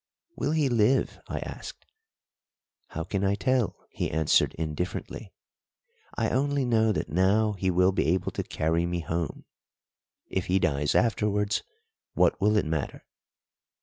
"Will he live?" I asked. "How can I tell?" he answered indifferently. "I only know that now he will be able to carry me home; if he dies afterwards, what will it matter?"